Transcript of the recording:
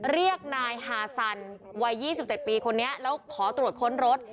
เรียกนายฮาซันวัย๒๗ปีคนนี้แล้วขอตรวจค้นรถ